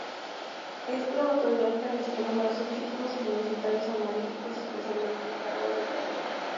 Este autodidacta recibió numerosos títulos universitarios honoríficos, especialmente en Harvard y Yale.